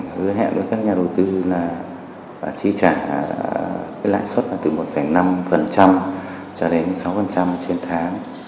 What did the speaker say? hứa hẹn với các nhà đầu tư là chi trả lãi suất là từ một năm cho đến sáu trên tháng